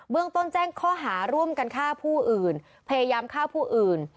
เมืองต้นแจ้งข้อหาร่วมกันฆ่าผู้อื่นพยายามฆ่าผู้อื่น